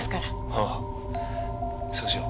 ああそうしよう。